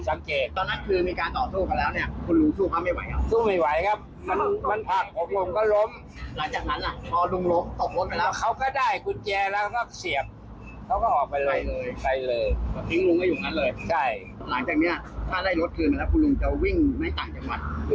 ใช่หลังจากเนี้ยถ้าได้รถคืนมาแล้วคุณลุงจะวิ่งในต่างจังหวัด